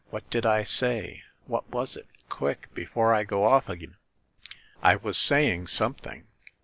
"What did I say? What was it? Quick! be fore I go off again! I was saying something."